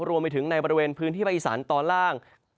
รวมไปถึงในบริเวณพื้นที่ภาคอีสานตอนล่าง